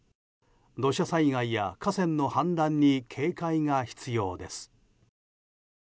土砂災害や河川の氾濫に警戒が必要です。